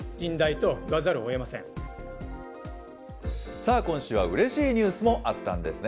さあ、今週はうれしいニュースもあったんですね。